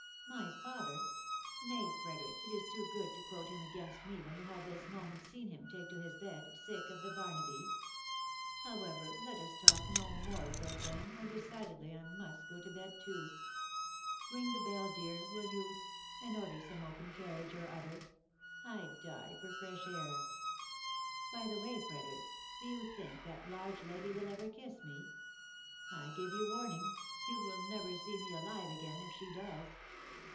" My father ? Nay, Frederic, it is too good to quote him against me when you have this moment seen him take to his bed, sick of the Barnaby ! However, let us talk no more about them, or decidedly I must go to bed too. King the bell, dear, will you, and order some open carriage or other — I die for fresh air ! By the way, Frederic, do you think that large lady will ever kiss me ? I give you warning, you wiU never see me ahve again if she does."